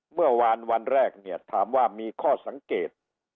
เมื่อวานวันแรกเนี่ยถามว่ามีข้อสังเกต